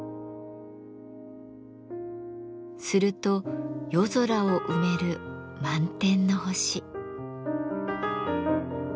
すると夜空を埋める満天の星。